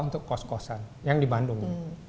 untuk kos kosan yang di bandung